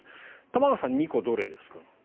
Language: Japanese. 玉川さん、２個どれですか？